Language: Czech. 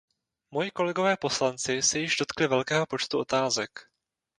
Moji kolegové poslanci se již dotkli velkého počtu otázek.